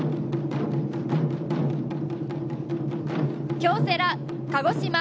京セラ・鹿児島。